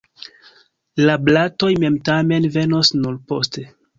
La blatoj mem, tamen, venos nur poste.